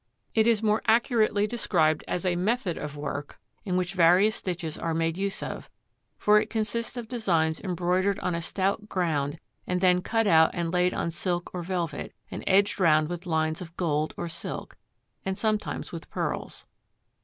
It is more accurately described as a method of work in which various stitches are made use of, for it consists of designs embroidered on a stout ground and then cut out and laid on silk or velvet, and edged round with lines of gold or silk, and sometimes with pearls.